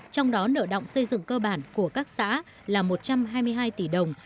trong đó nợ động xây dựng cơ bản của các xã là một trăm hai mươi hai tỷ đồng